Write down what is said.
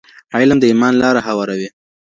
علم د ايمان لاره هواروي.